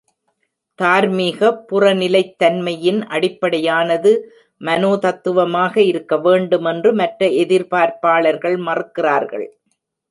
தார்மீக புறநிலைத்தன்மையின் அடிப்படையானது மனோதத்துவமாக இருக்க வேண்டும் என்று மற்ற எதிர்ப்பாளர்கள் மறுக்கிறார்கள்.